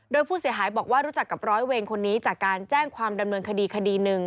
โดยผู้เสียหายบอกว่ารู้จักกับร้อยเวรคนนี้จากการแจ้งความดำเนินคดีคดีหนึ่ง